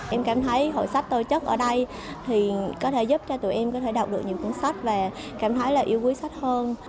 em cảm thấy hội sách tôi chất ở đây thì có thể giúp cho tụi em có thể đọc được những cuốn sách và cảm thấy là yêu quý sách hơn